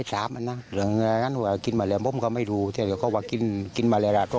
ช้งวัอกินมาแล้วก็ไม่ทราบ